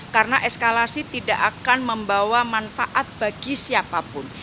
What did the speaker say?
karena eskalasi tidak akan membawa manfaat bagi siapapun